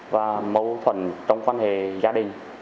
và mẫu thuần trong quan hệ gia đình